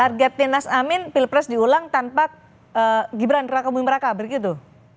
target pinas amin pilpres diulang tanpa gibran raka bimraka begitu